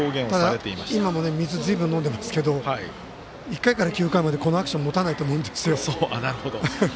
ただ、今もずいぶん水を飲んでいますけど１回から９回までこのアクションもたないと思うんです。